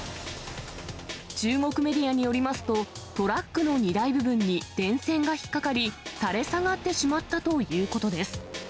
中国メディアによりますと、トラックの荷台部分に電線が引っ掛かり、垂れ下がってしまったということです。